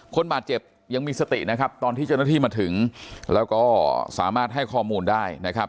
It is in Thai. คนบาดเจ็บยังมีสตินะครับตอนที่เจ้าหน้าที่มาถึงแล้วก็สามารถให้ข้อมูลได้นะครับ